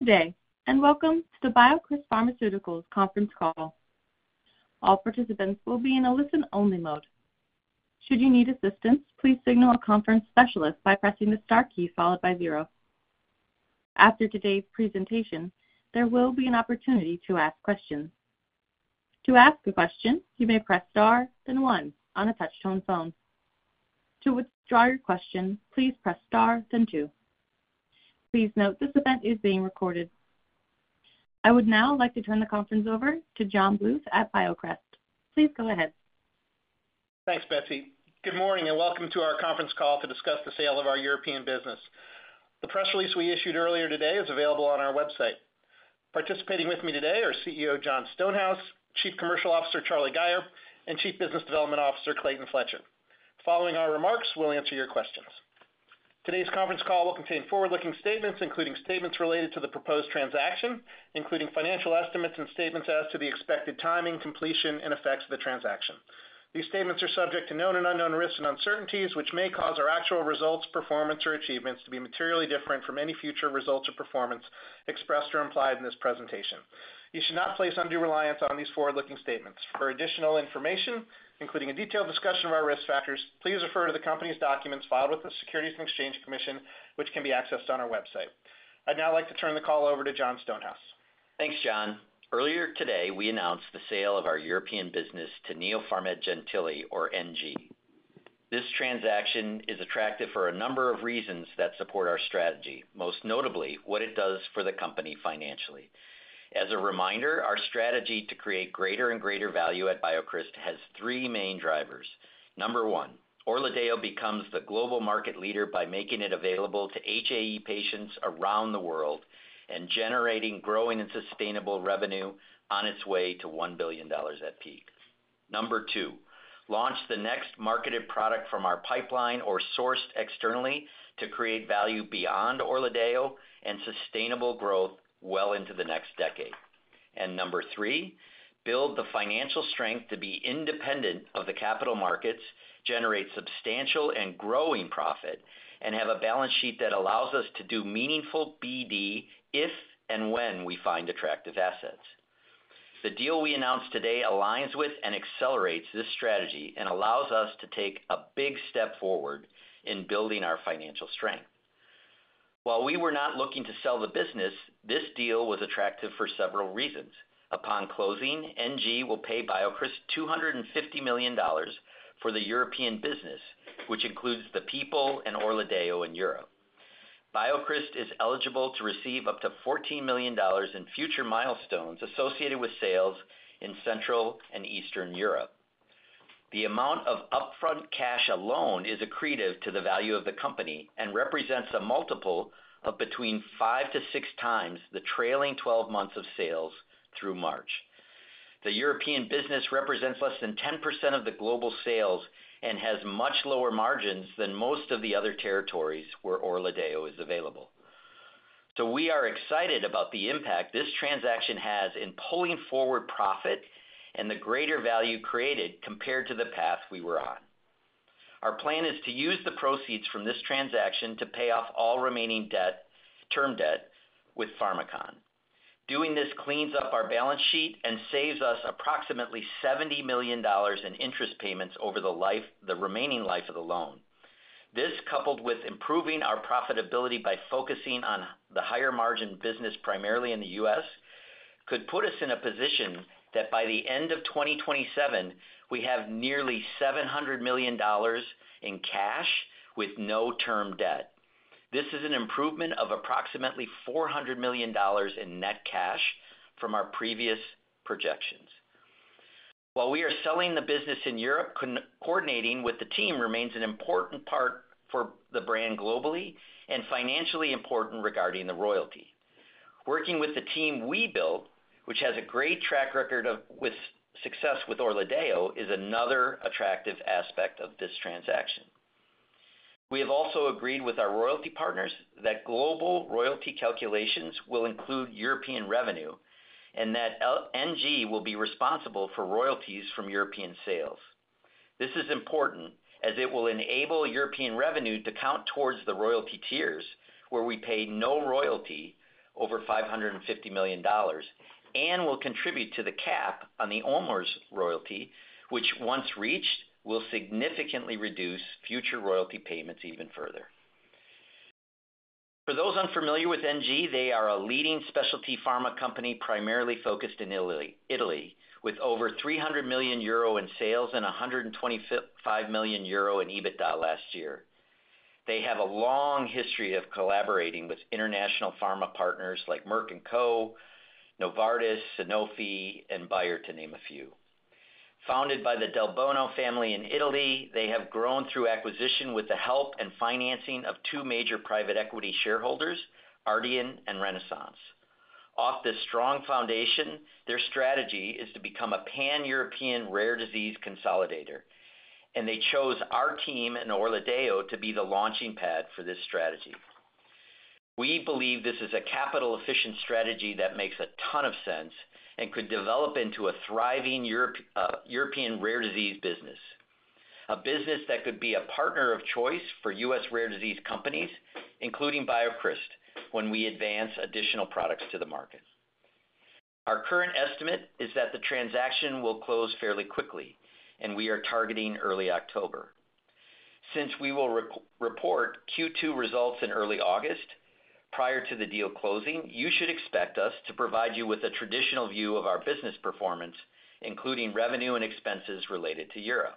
Good day, and welcome to the BioCryst Pharmaceuticals Conference call. All participants will be in a listen-only mode. Should you need assistance, please signal a conference specialist by pressing the star key followed by zero. After today's presentation, there will be an opportunity to ask questions. To ask a question, you may press star, then one, on a touch-tone phone. To withdraw your question, please press star, then two. Please note this event is being recorded. I would now like to turn the conference over to John Bluth at BioCryst. Please go ahead. Thanks, Betsy. Good morning, and welcome to our conference call to discuss the sale of our European business. The press release we issued earlier today is available on our website. Participating with me today are CEO Jon Stonehouse, Chief Commercial Officer Charlie Gayer, and Chief Business Development Officer Clayton Fletcher. Following our remarks, we'll answer your questions. Today's conference call will contain forward-looking statements, including statements related to the proposed transaction, including financial estimates and statements as to the expected timing, completion, and effects of the transaction. These statements are subject to known and unknown risks and uncertainties, which may cause our actual results, performance, or achievements to be materially different from any future results or performance expressed or implied in this presentation. You should not place undue reliance on these forward-looking statements. For additional information, including a detailed discussion of our risk factors, please refer to the company's documents filed with the Securities and Exchange Commission, which can be accessed on our website. I'd now like to turn the call over to Jon Stonehouse. Thanks, Jon. Earlier today, we announced the sale of our European business to Neopharmed Gentili, or NG. This transaction is attractive for a number of reasons that support our strategy, most notably what it does for the company financially. As a reminder, our strategy to create greater and greater value at BioCryst has three main drivers. Number one, Orladeyo becomes the global market leader by making it available to HAE patients around the world and generating growing and sustainable revenue on its way to $1 billion at peak. Number two, launch the next marketed product from our pipeline or sourced externally to create value beyond Orladeyo and sustainable growth well into the next decade. Number three, build the financial strength to be independent of the capital markets, generate substantial and growing profit, and have a balance sheet that allows us to do meaningful BD if and when we find attractive assets. The deal we announced today aligns with and accelerates this strategy and allows us to take a big step forward in building our financial strength. While we were not looking to sell the business, this deal was attractive for several reasons. Upon closing, NG will pay BioCryst $250 million for the European business, which includes the people and Orladeyo in Europe. BioCryst is eligible to receive up to $14 million in future milestones associated with sales in Central and Eastern Europe. The amount of upfront cash alone is accretive to the value of the company and represents a multiple of between five-six times the trailing 12 months of sales through March. The European business represents less than 10% of the global sales and has much lower margins than most of the other territories where Orladeyo is available. We are excited about the impact this transaction has in pulling forward profit and the greater value created compared to the path we were on. Our plan is to use the proceeds from this transaction to pay off all remaining term debt with Pharmacon. Doing this cleans up our balance sheet and saves us approximately $70 million in interest payments over the remaining life of the loan. This, coupled with improving our profitability by focusing on the higher-margin business primarily in the U.S., could put us in a position that by the end of 2027, we have nearly $700 million in cash with no term debt. This is an improvement of approximately $400 million in net cash from our previous projections. While we are selling the business in Europe, coordinating with the team remains an important part for the brand globally and financially important regarding the royalty. Working with the team we built, which has a great track record of success with Orladeyo, is another attractive aspect of this transaction. We have also agreed with our royalty partners that global royalty calculations will include European revenue and that NG will be responsible for royalties from European sales. This is important as it will enable European revenue to count towards the royalty tiers, where we pay no royalty over $550 million, and will contribute to the cap on the OMR's royalty, which, once reached, will significantly reduce future royalty payments even further. For those unfamiliar with NG, they are a leading specialty pharma company primarily focused in Italy, with over 300 million euro in sales and 125 million euro in EBITDA last year. They have a long history of collaborating with international pharma partners like Merck & Co, Novartis, Sanofi, and Bayer, to name a few. Founded by the Del Bono family in Italy, they have grown through acquisition with the help and financing of two major private equity shareholders, Ardian and Renaissance. Off this strong foundation, their strategy is to become a pan-European rare disease consolidator, and they chose our team and Orladeyo to be the launching pad for this strategy. We believe this is a capital-efficient strategy that makes a ton of sense and could develop into a thriving European rare disease business, a business that could be a partner of choice for U.S. rare disease companies, including BioCryst, when we advance additional products to the market. Our current estimate is that the transaction will close fairly quickly, and we are targeting early October. Since we will report Q2 results in early August, prior to the deal closing, you should expect us to provide you with a traditional view of our business performance, including revenue and expenses related to Europe.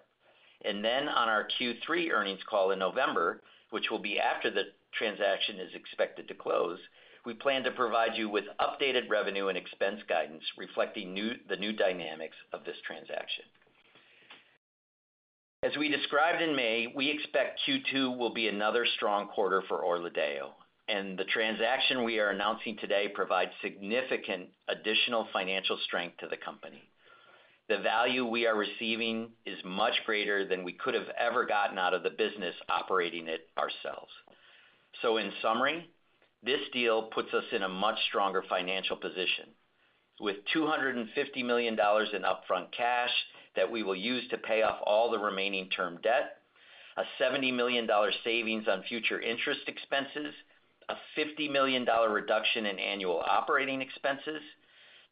On our Q3 earnings call in November, which will be after the transaction is expected to close, we plan to provide you with updated revenue and expense guidance reflecting the new dynamics of this transaction. As we described in May, we expect Q2 will be another strong quarter for Orladeyo, and the transaction we are announcing today provides significant additional financial strength to the company. The value we are receiving is much greater than we could have ever gotten out of the business operating it ourselves. In summary, this deal puts us in a much stronger financial position, with $250 million in upfront cash that we will use to pay off all the remaining term debt, a $70 million savings on future interest expenses, a $50 million reduction in annual operating expenses,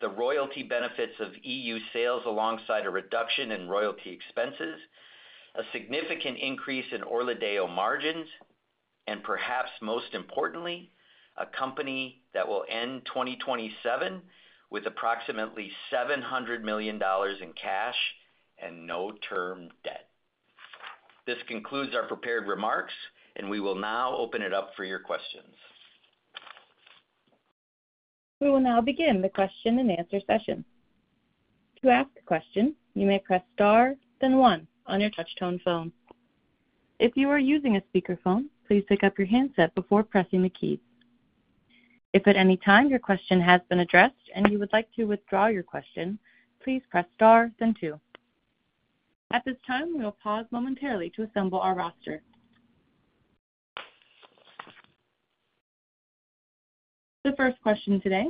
the royalty benefits of EU sales alongside a reduction in royalty expenses, a significant increase in Orladeyo margins, and perhaps most importantly, a company that will end 2027 with approximately $700 million in cash and no term debt. This concludes our prepared remarks, and we will now open it up for your questions. We will now begin the question-and-answer session. To ask a question, you may press star, then one, on your touch-tone phone. If you are using a speakerphone, please pick up your handset before pressing the keys. If at any time your question has been addressed and you would like to withdraw your question, please press star, then two. At this time, we will pause momentarily to assemble our roster. The first question today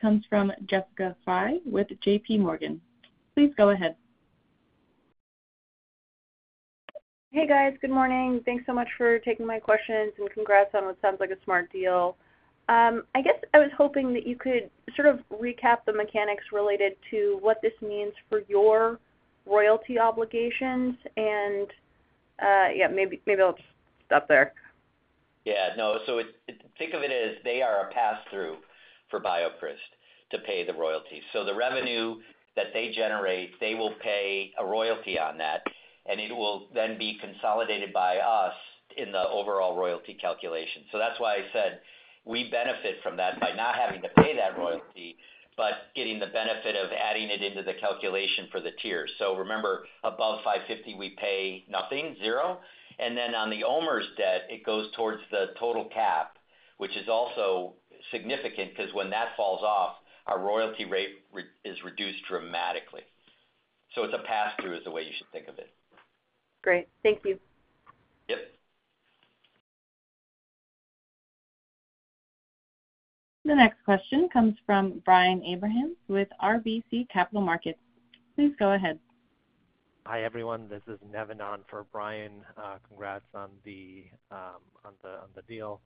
comes from Jessica Frye with JPMorgan. Please go ahead. Hey, guys. Good morning. Thanks so much for taking my questions and congrats on what sounds like a smart deal. I guess I was hoping that you could sort of recap the mechanics related to what this means for your royalty obligations, and yeah, maybe I'll just stop there. Yeah. No, so think of it as they are a pass-through for BioCryst to pay the royalties. The revenue that they generate, they will pay a royalty on that, and it will then be consolidated by us in the overall royalty calculation. That is why I said we benefit from that by not having to pay that royalty but getting the benefit of adding it into the calculation for the tiers. Remember, above $550 million, we pay nothing, zero. On the OMR's debt, it goes towards the total cap, which is also significant because when that falls off, our royalty rate is reduced dramatically. It is a pass-through is the way you should think of it. Great. Thank you. Yep. The next question comes from Brian Abrahams with RBC Capital Markets. Please go ahead. Hi everyone. This is Nevanon for Brian. Congrats on the deal.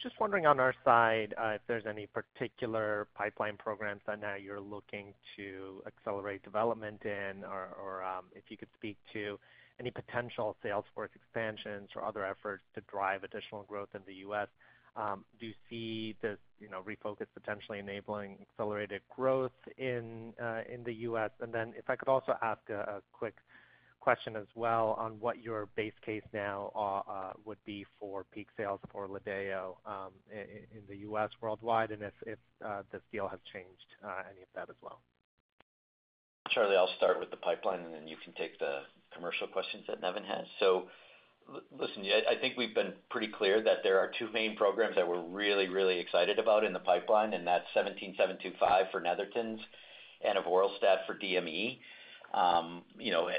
Just wondering on our side if there's any particular pipeline programs that now you're looking to accelerate development in, or if you could speak to any potential Salesforce expansions or other efforts to drive additional growth in the U.S. Do you see this refocus potentially enabling accelerated growth in the U.S.? If I could also ask a quick question as well on what your base case now would be for peak sales of Orladeyo in the U.S. worldwide and if this deal has changed any of that as well. Charlie, I'll start with the pipeline, and then you can take the commercial questions that Nevan has. Listen, I think we've been pretty clear that there are two main programs that we're really, really excited about in the pipeline, and that's 1775 for Netherton and avoralstat for DME.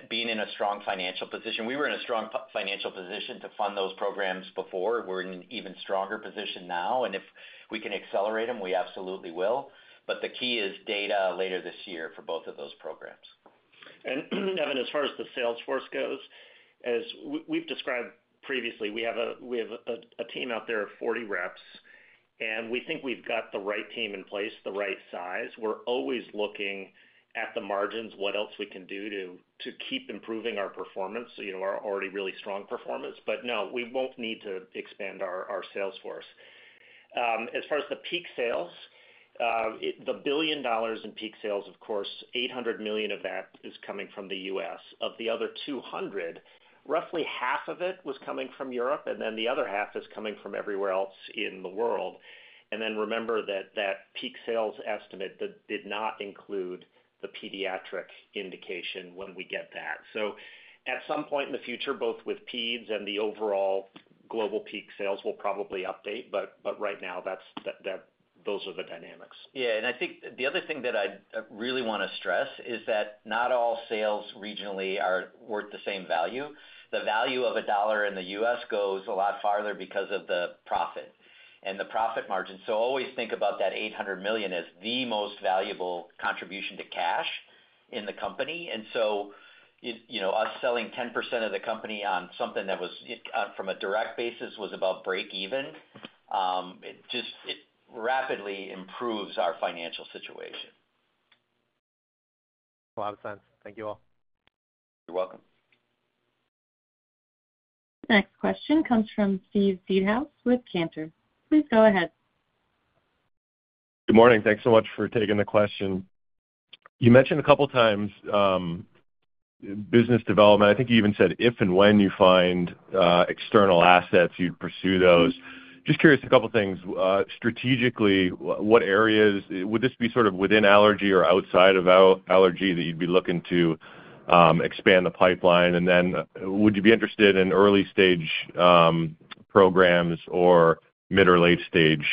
Being in a strong financial position, we were in a strong financial position to fund those programs before. We're in an even stronger position now, and if we can accelerate them, we absolutely will. The key is data later this year for both of those programs. Nevan, as far as the Salesforce goes, as we've described previously, we have a team out there of 40 reps, and we think we've got the right team in place, the right size. We're always looking at the margins, what else we can do to keep improving our performance, our already really strong performance. No, we won't need to expand our Salesforce. As far as the peak sales, the billion dollars in peak sales, of course, $800 million of that is coming from the U.S. Of the other $200 million, roughly half of it was coming from Europe, and then the other half is coming from everywhere else in the world. Remember that that peak sales estimate did not include the pediatric indication when we get that. At some point in the future, both with PEDS and the overall global peak sales, we'll probably update, but right now, those are the dynamics. Yeah. I think the other thing that I really want to stress is that not all sales regionally are worth the same value. The value of a dollar in the U.S. goes a lot farther because of the profit and the profit margin. Always think about that $800 million as the most valuable contribution to cash in the company. Us selling 10% of the company on something that was from a direct basis was about break-even. It just rapidly improves our financial situation. Makes a lot of sense. Thank you all. You're welcome. The next question comes from Steve Seedhouse with Cantor. Please go ahead. Good morning. Thanks so much for taking the question. You mentioned a couple of times business development. I think you even said if and when you find external assets, you'd pursue those. Just curious, a couple of things. Strategically, what areas would this be sort of within Allergy or outside of Allergy that you'd be looking to expand the pipeline? And then would you be interested in early-stage programs or mid or late-stage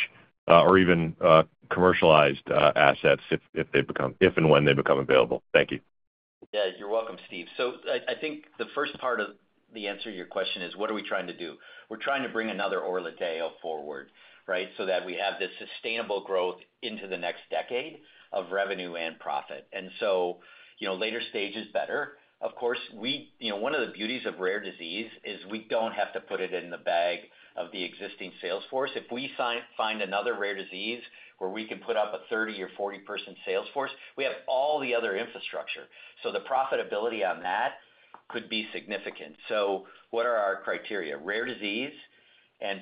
or even commercialized assets if and when they become available? Thank you. Yeah. You're welcome, Steve. I think the first part of the answer to your question is, what are we trying to do? We're trying to bring another Orladeyo forward, right, so that we have this sustainable growth into the next decade of revenue and profit. Later stage is better. Of course, one of the beauties of rare disease is we don't have to put it in the bag of the existing Salesforce. If we find another rare disease where we can put up a 30 or 40-person Salesforce. We have all the other infrastructure. The profitability on that could be significant. What are our criteria? Rare disease, and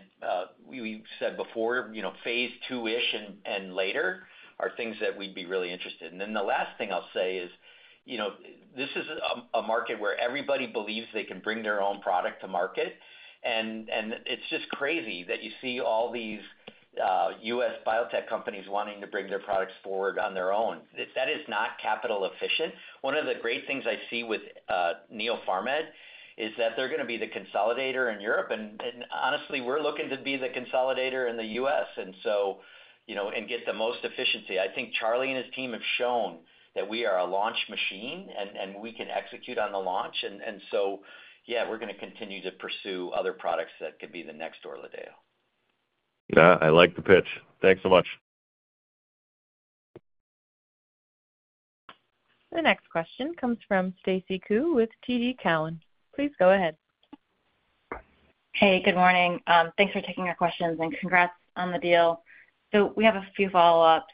we said before, phase II-ish and later are things that we'd be really interested in. The last thing I'll say is this is a market where everybody believes they can bring their own product to market, and it's just crazy that you see all these U.S. biotech companies wanting to bring their products forward on their own. That is not capital-efficient. One of the great things I see with Neopharmed is that they're going to be the consolidator in Europe, and honestly, we're looking to be the consolidator in the U.S. and get the most efficiency. I think Charlie and his team have shown that we are a launch machine and we can execute on the launch. Yeah, we're going to continue to pursue other products that could be the next Orladeyo. Yeah. I like the pitch. Thanks so much. The next question comes from Stacy Ku with TD Cowen. Please go ahead. Hey, good morning. Thanks for taking our questions and congrats on the deal. We have a few follow-ups.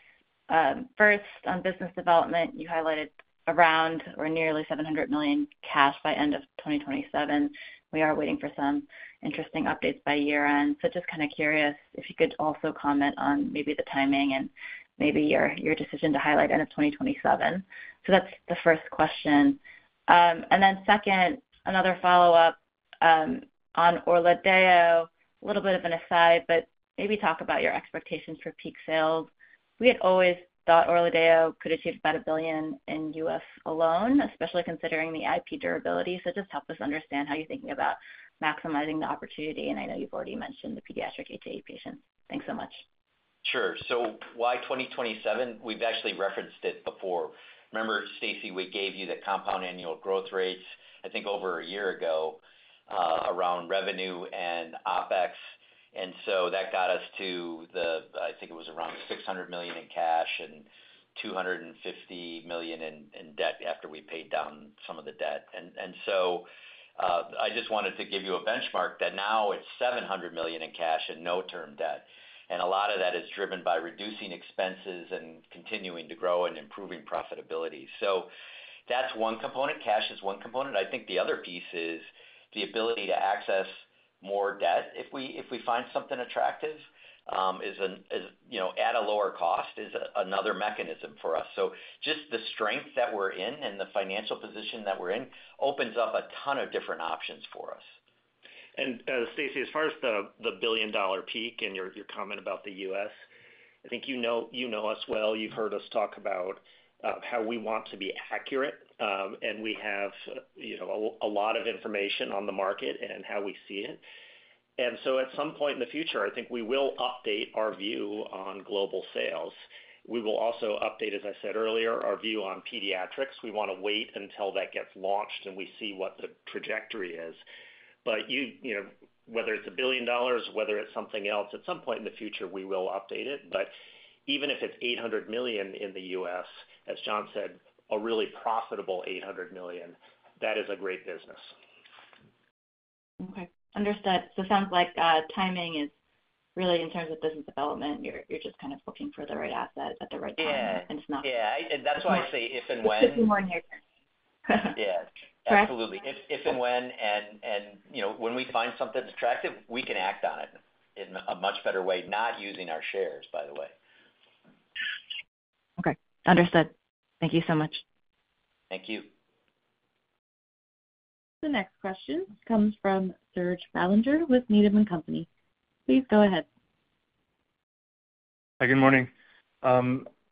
First, on business development, you highlighted around or nearly $700 million cash by end of 2027. We are waiting for some interesting updates by year-end. Just kind of curious if you could also comment on maybe the timing and maybe your decision to highlight end of 2027. That is the first question. Second, another follow-up on Orladeyo, a little bit of an aside, but maybe talk about your expectations for peak sales. We had always thought Orladeyo could achieve about $1 billion in U.S. alone, especially considering the IP durability. Just help us understand how you are thinking about maximizing the opportunity, and I know you have already mentioned the pediatric HAE patients. Thanks so much. Sure. Why 2027? We've actually referenced it before. Remember, Stacy, we gave you the compound annual growth rates, I think over a year ago around revenue and OpEx. That got us to, I think it was around $600 million in cash and $250 million in debt after we paid down some of the debt. I just wanted to give you a benchmark that now it's $700 million in cash and no term debt. A lot of that is driven by reducing expenses and continuing to grow and improving profitability. That's one component. Cash is one component. I think the other piece is the ability to access more debt if we find something attractive at a lower cost is another mechanism for us. Just the strength that we're in and the financial position that we're in opens up a ton of different options for us. Stacy, as far as the billion-dollar peak and your comment about the U.S., I think you know us well. You've heard us talk about how we want to be accurate, and we have a lot of information on the market and how we see it. At some point in the future, I think we will update our view on global sales. We will also update, as I said earlier, our view on pediatrics. We want to wait until that gets launched and we see what the trajectory is. Whether it's a billion dollars, whether it's something else, at some point in the future, we will update it. Even if it's $800 million in the U.S., as John said, a really profitable $800 million, that is a great business. Okay. Understood. So it sounds like timing is really in terms of business development, you're just kind of looking for the right asset at the right time, and it's not. Yeah. That is why I say if and when. Just be more near-term. Yeah. Absolutely. If and when, and when we find something attractive, we can act on it in a much better way, not using our shares, by the way. Okay. Understood. Thank you so much. Thank you. The next question comes from Serge Belanger with Needham & Company. Please go ahead. Hi, good morning.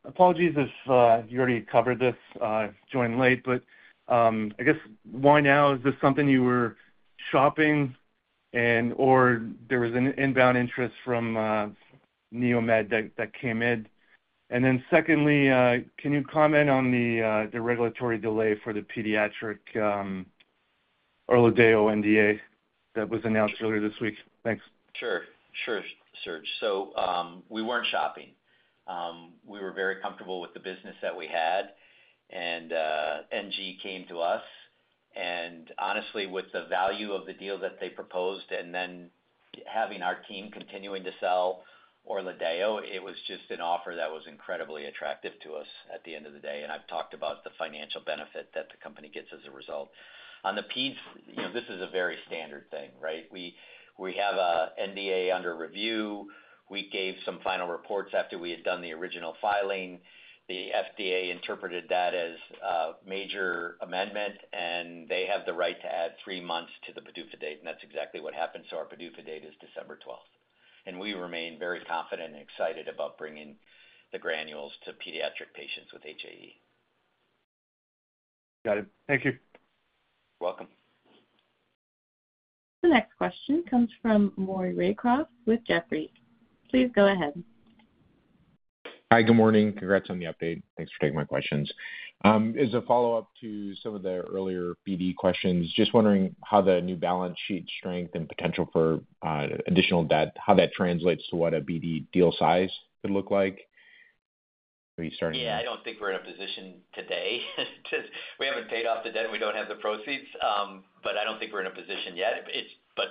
Apologies if you already covered this. I joined late, but I guess why now? Is this something you were shopping and/or there was an inbound interest from Neopharmed that came in? Secondly, can you comment on the regulatory delay for the pediatric Orladeyo NDA that was announced earlier this week? Thanks. Sure. Sure, Sarge. We were not shopping. We were very comfortable with the business that we had, and NG came to us. Honestly, with the value of the deal that they proposed and then having our team continuing to sell Orladeyo, it was just an offer that was incredibly attractive to us at the end of the day. I have talked about the financial benefit that the company gets as a result. On the PEDS, this is a very standard thing, right? We have an NDA under review. We gave some final reports after we had done the original filing. The FDA interpreted that as a major amendment, and they have the right to add three months to the PDUFA date, and that is exactly what happened. Our PDUFA date is December 12th. We remain very confident and excited about bringing the granules to pediatric patients with HAE. Got it. Thank you. You're welcome. The next question comes from Maury Raycroft with Jefferies. Please go ahead. Hi, good morning. Congrats on the update. Thanks for taking my questions. As a follow-up to some of the earlier BD questions, just wondering how the new balance sheet strength and potential for additional debt, how that translates to what a BD deal size could look like. Are you starting? Yeah. I do not think we are in a position today. We have not paid off the debt, and we do not have the proceeds, but I do not think we are in a position yet.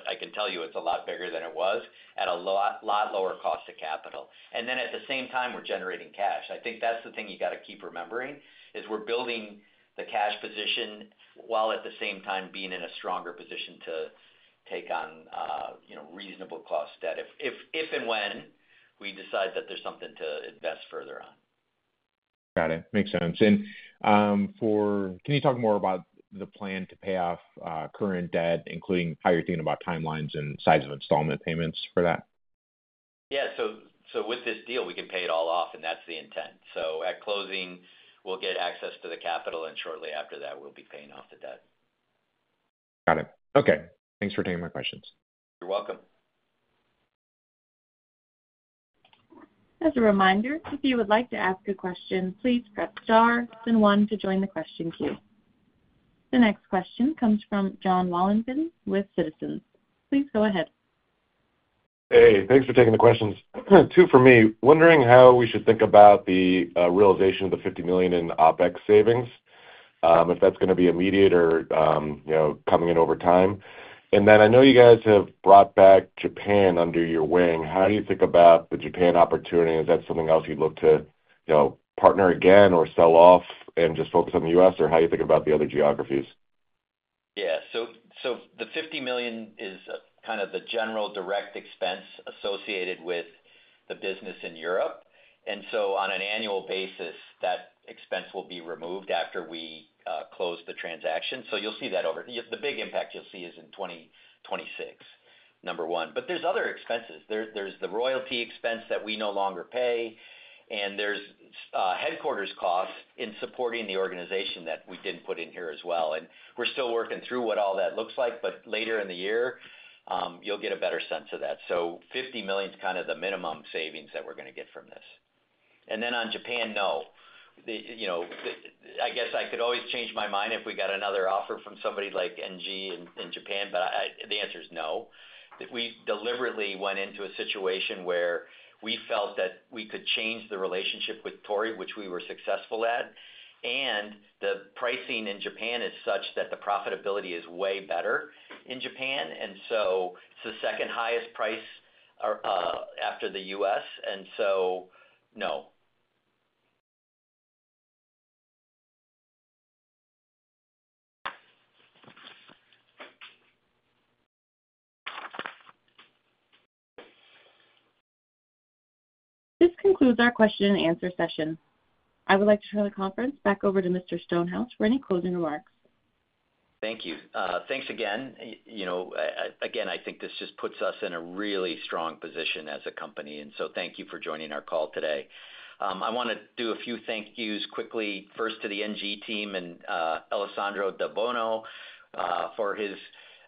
I can tell you it is a lot bigger than it was at a lot lower cost of capital. At the same time, we are generating cash. I think that is the thing you have to keep remembering is we are building the cash position while at the same time being in a stronger position to take on reasonable cost debt if and when we decide that there is something to invest further on. Got it. Makes sense. Can you talk more about the plan to pay off current debt, including how you're thinking about timelines and size of installment payments for that? Yeah. With this deal, we can pay it all off, and that's the intent. At closing, we'll get access to the capital, and shortly after that, we'll be paying off the debt. Got it. Okay. Thanks for taking my questions. You're welcome. As a reminder, if you would like to ask a question, please press star and one to join the question queue. The next question comes from Jonathan Wolleben with Citizens. Please go ahead. Hey. Thanks for taking the questions. Two for me. Wondering how we should think about the realization of the $50 million in OpEx savings, if that's going to be immediate or coming in over time. I know you guys have brought back Japan under your wing. How do you think about the Japan opportunity? Is that something else you'd look to partner again or sell off and just focus on the U.S., or how do you think about the other geographies? Yeah. The $50 million is kind of the general direct expense associated with the business in Europe. On an annual basis, that expense will be removed after we close the transaction. You'll see that over. The big impact you'll see is in 2026, number one. There are other expenses. There's the royalty expense that we no longer pay, and there's headquarters costs in supporting the organization that we did not put in here as well. We're still working through what all that looks like, but later in the year, you'll get a better sense of that. $50 million is kind of the minimum savings that we're going to get from this. On Japan, no. I guess I could always change my mind if we got another offer from somebody like NG in Japan, but the answer is no. We deliberately went into a situation where we felt that we could change the relationship with Tory, which we were successful at. The pricing in Japan is such that the profitability is way better in Japan. It is the second-highest price after the U.S. No. This concludes our question-and-answer session. I would like to turn the conference back over to Mr. Stonehouse for any closing remarks. Thank you. Thanks again. I think this just puts us in a really strong position as a company. Thank you for joining our call today. I want to do a few thank yous quickly. First, to the NG team and Alessandro Del Bono for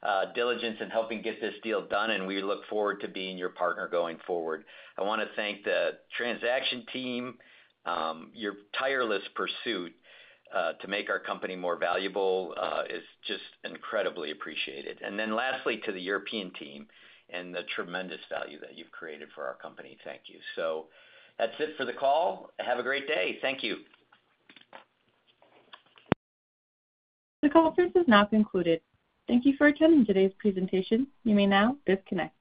his diligence in helping get this deal done, and we look forward to being your partner going forward. I want to thank the transaction team. Your tireless pursuit to make our company more valuable is just incredibly appreciated. Lastly, to the European team and the tremendous value that you've created for our company. Thank you. That's it for the call. Have a great day. Thank you. The conference is now concluded. Thank you for attending today's presentation. You may now disconnect.